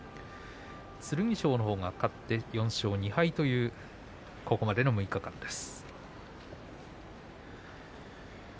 剣翔のほうが勝って４勝２敗というここまでの６日間です。